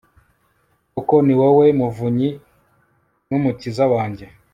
koko, ni wowe muvunyi n'umukiza wanjye